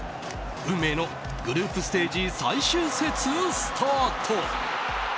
運命のグループステージ最終節がスタート。